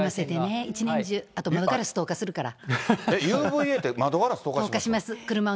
一年中、あと窓ガラス透過するから。